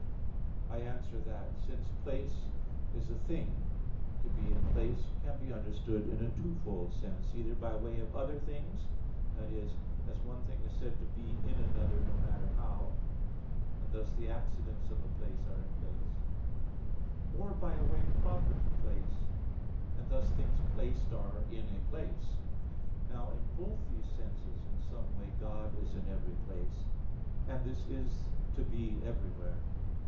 (Jer. 23:24). I answer that, Since place is a thing, to be in place can be understood in a twofold sense; either by way of other things i.e. as one thing is said to be in another no matter how; and thus the accidents of a place are in place; or by a way proper to place; and thus things placed are in a place. Now in both these senses, in some way God is in every place; and this is to be everywhere.